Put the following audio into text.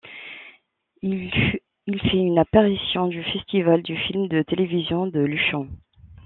Il fait une apparition au Festival du film de télévision de Luchon.